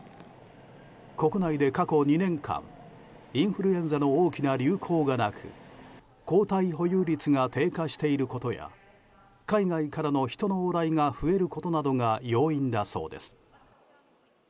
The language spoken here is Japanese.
国内で過去２年間インフルエンザの大きな流行がなく抗体保有率が低下していることや海外からの人の往来が増えることなどが要因だそうです。